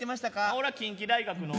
俺は近畿大学の。